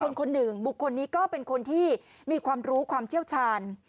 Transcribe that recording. คนหนึ่งบุคคลนี้ก็เป็นคนที่มีความรู้ความเชี่ยวชาญ